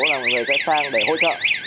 là mọi người sẽ sang để hỗ trợ